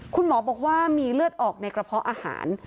คุณหมอบอกว่ามีเลือดออกในกระเพาะอาหาร